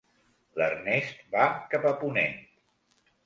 L'Ernest va cap a Ponent.